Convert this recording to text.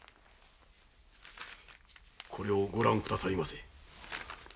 これをご覧くださいませ。